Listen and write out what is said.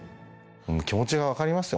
気持ちが分かりますよ